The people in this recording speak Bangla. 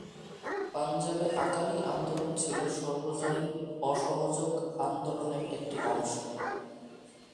পাঞ্জাবে আকালি আন্দোলন ছিল সর্বজনীন অসহযোগ আন্দোলনের একটি অংশ।